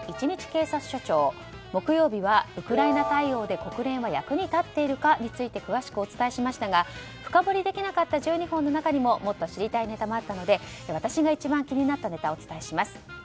１日警察署長木曜日は、ウクライナ対応で国連は役に立っているかについて詳しくお伝えしましたが深掘りできなかった１２本のネタの中にももっと知りたいネタがあったので私が一番気になったネタをお伝えします。